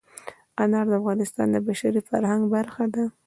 انار د افغانستان د بشري فرهنګ برخه ده.